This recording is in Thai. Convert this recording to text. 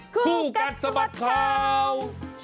คู่กันสมัครคราว